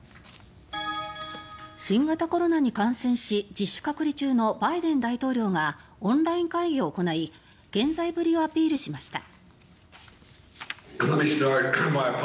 新型コロナに感染し自主隔離中のバイデン大統領がオンライン会議を行い健在ぶりをアピールしました。